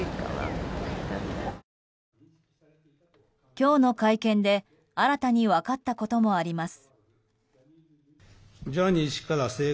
今日の会見で新たに分かったこともあります。